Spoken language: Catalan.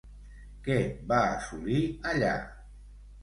Què va assolir allà?